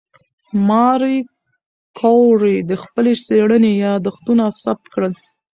ماري کوري د خپلې څېړنې یادښتونه ثبت کړل.